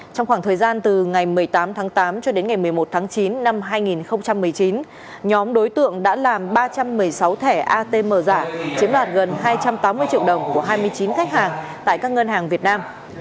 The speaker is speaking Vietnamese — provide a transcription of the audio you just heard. trong khoảng thời gian từ ngày một mươi tám tháng tám cho đến ngày một mươi một tháng chín năm hai nghìn một mươi chín nhóm đối tượng đã làm ba trăm một mươi sáu thẻ atm giả chiếm đoạt gần hai trăm tám mươi triệu đồng của hai mươi chín khách hàng tại các ngân hàng việt nam